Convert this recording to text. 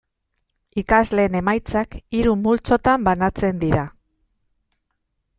Ikasleen emaitzak hiru multzotan banatzen dira.